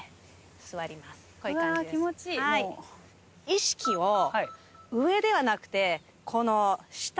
意識を上ではなくてこの下に。